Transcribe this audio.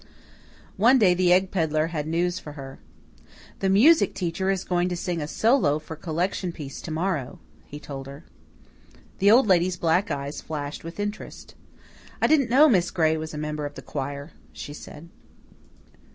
One day the egg pedlar had news for her. "The music teacher is going to sing a solo for a collection piece to morrow," he told her. The Old Lady's black eyes flashed with interest. "I didn't know Miss Gray was a member of the choir," she said.